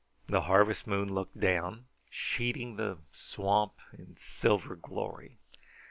The harvest moon looked down, sheeting the swamp in silver glory.